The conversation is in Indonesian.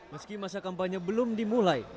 meski masa kampanye belum dimulai